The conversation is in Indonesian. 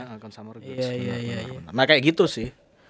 nah kayak gitu sih